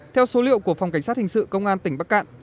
theo số liệu của phòng cảnh sát hình sự công an tỉnh bắc cạn